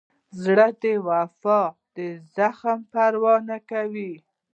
زړه د وفا د زخم پروا نه کوي.